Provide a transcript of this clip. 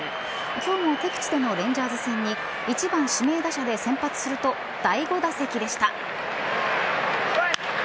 今日も敵地でのレンジャーズ戦に１番指名打者で先発すると第５打席でした。